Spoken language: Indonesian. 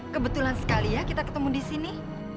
kebetulan sekali ya kita ketemu di sini